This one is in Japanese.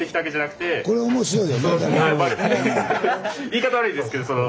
言い方悪いですけどその。